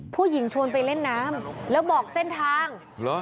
ผู้หญิงชวนไปเล่นน้ำแล้วบอกเส้นทาง